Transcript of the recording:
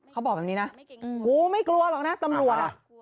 เขาบอกแบบนี้นะหูไม่กลัวหรอกนะตำรวจอ่ะ